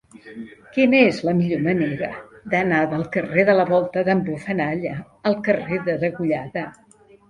Quina és la millor manera d'anar del carrer de la Volta d'en Bufanalla al carrer de Degollada?